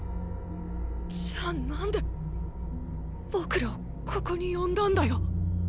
じゃあ何で僕らをここに呼んだんだよ。